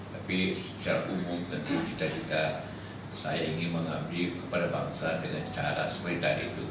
tapi secara umum tentu kita sayangi mengambil kepada bangsa dengan cara seperti tadi itu